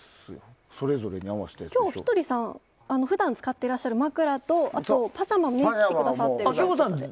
今日、ひとりさん普段使っていらっしゃる枕とあとパジャマも着てきてくださっているんですね。